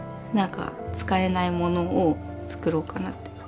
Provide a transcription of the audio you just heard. なんか使えないものを作ろうかなって。